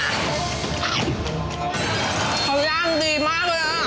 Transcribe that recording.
เขาย่างดีมากเลยอ่ะ